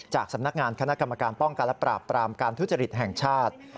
สำนักงานคณะกรรมการป้องกันและปราบปรามการทุจริตแห่งชาติ